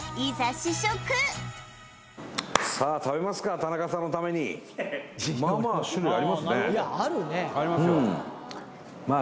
試食さあ食べますか田中さんのためにまあまあ種類ありますねまあ